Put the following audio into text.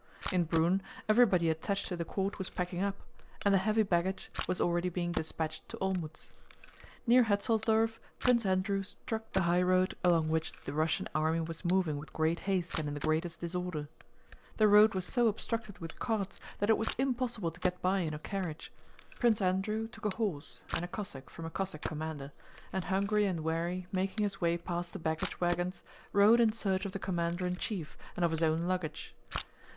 In Brünn everybody attached to the court was packing up, and the heavy baggage was already being dispatched to Olmütz. Near Hetzelsdorf Prince Andrew struck the high road along which the Russian army was moving with great haste and in the greatest disorder. The road was so obstructed with carts that it was impossible to get by in a carriage. Prince Andrew took a horse and a Cossack from a Cossack commander, and hungry and weary, making his way past the baggage wagons, rode in search of the commander in chief and of his own luggage.